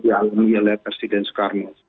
dijalankan oleh presiden soekarno